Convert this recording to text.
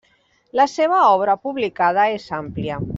La seva obra publicada és àmplia.